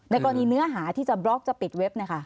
กรณีเนื้อหาที่จะบล็อกจะปิดเว็บ